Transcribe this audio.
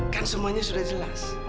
kan semuanya sudah jelas